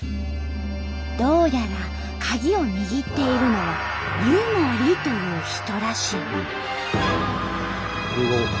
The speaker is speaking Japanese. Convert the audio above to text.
どうやらカギを握っているのは「湯守」という人らしい。